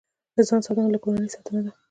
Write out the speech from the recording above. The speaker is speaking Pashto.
له ځان ساتنه، له کورنۍ ساتنه ده.